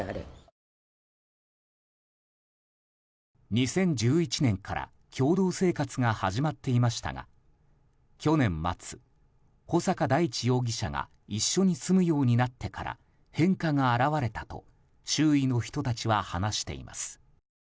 ２０１１年から共同生活が始まっていましたが去年末、穂坂大地容疑者が一緒に住むようになってから変化が表れたと周囲の人たちは話しています。